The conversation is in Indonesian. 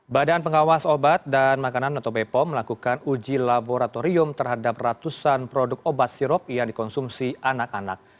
badan pengawas obat dan makanan atau bepom melakukan uji laboratorium terhadap ratusan produk obat sirop yang dikonsumsi anak anak